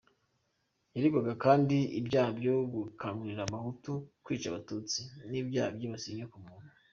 Yaregwaga kandi ibyaha byo gukangurira Abahutu kwica Abatutsi n’ibyaha byibasiye inyokomuntu .